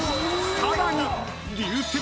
［さらに］